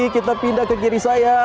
kita pindah ke kiri saya